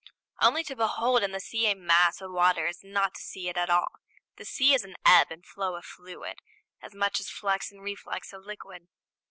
Only to behold in the sea a mass of water is not to see it at all: the sea is an ebb and flow of fluid, as much as a flux and reflux of liquid.